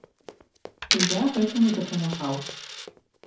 І я гэтаму дапамагаў.